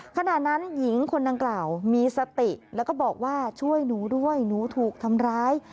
ขณะนั้นหญิงคนดังกล่าวมีสติแล้วก็บอกว่าช่วยหนูด้วยหนูถูกทำร้าย